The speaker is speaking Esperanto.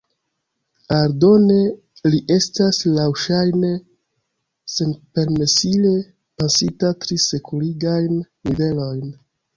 Aldone li estas laŭŝajne senpermesile pasinta tri sekurigajn nivelojn.